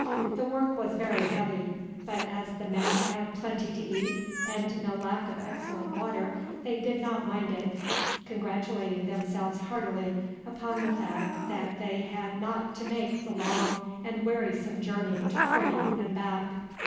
The work was very heavy, but as the men had plenty to eat and no lack of excellent water they did not mind it, congratulating themselves heartily upon the fact that they had not to make the long and wearisome journey to Korti and back.